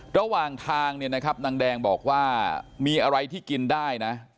ระหว่างทางเนี่ยนะครับนางแดงบอกว่ามีอะไรที่กินได้นะ